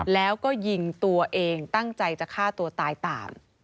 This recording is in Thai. แล้วก็ยิงตัวเองตั้งใจจะฆ่าตัวตายตาม